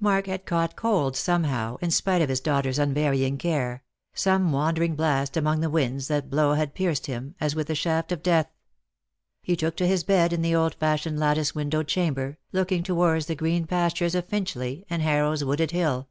Mark had caught cold, somehow, in spite of his daugher's unvarying care ; some wandering blast among the winds that blow had pierced him, as with the shaft of death. He took to his bed in the old fashioned lattice windowed chamber, looking towards the green pastures of Pinchley and Harrow's wooded hill.